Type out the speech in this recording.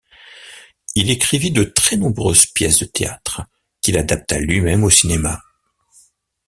Il écrivit de très nombreuses pièces de théâtre qu'il adapta lui-même au cinéma.